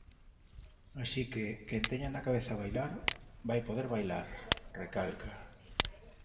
Así que "quen teña na cabeza bailar, vai poder bailar", recalca.